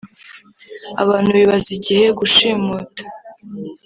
Abantu bibaza igihe gushimuta